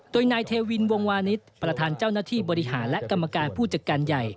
โดยนายเทวินวงวานิสประธานเจ้าหน้าที่บริหารและกรรมการผู้จัดการใหญ่